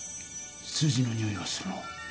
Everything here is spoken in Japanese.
数字のにおいがするな。